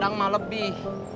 kadang kadang mah lebih